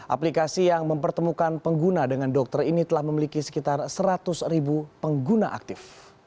aplikasi yang mempertemukan pengguna dengan dokter ini telah memiliki sekitar seratus ribu pengguna aktif